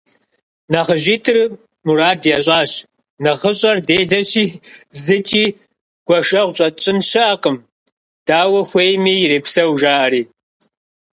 НэхъыжьитӀым мурад ящӀащ: «НэхъыщӀэр делэщи, зыкӀи гуэшэгъу щӀэтщӀын щыӀэкъым, дауэ хуейми ирепсэу», – жаӀэри.